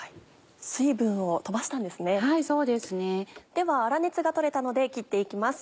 では粗熱が取れたので切って行きます。